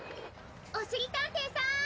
おしりたんていさん！